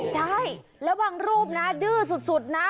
ใช่แล้วบางรูปนะดื้อสุดนะ